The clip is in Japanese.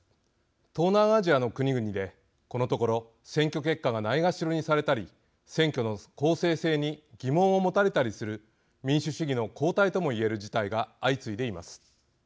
東南アジアの国々でこのところ選挙結果がないがしろにされたり選挙の公正性に疑問を持たれたりする民主主義の後退とも言える事態が相次いでいます。